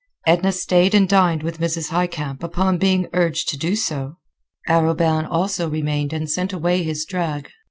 Edna stayed and dined with Mrs. Highcamp upon being urged to do so. Arobin also remained and sent away his drag.